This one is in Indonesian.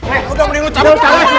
eh udah mending lo calon calon aja